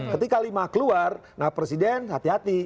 ketika lima keluar nah presiden hati hati